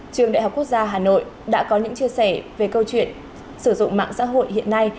trường đại học quốc gia hà nội đã có những chia sẻ về câu chuyện sử dụng mạng xã hội hiện nay